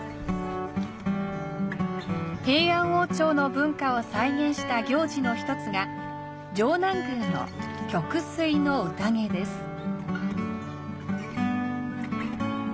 平安王朝の文化を再現した行事の１つが城南宮の曲水の宴です。